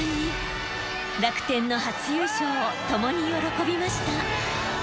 楽天の初優勝をともに喜びました。